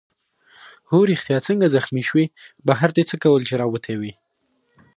هو ریښتیا څنګه زخمي شوې؟ بهر دې څه کول چي راوتی وې؟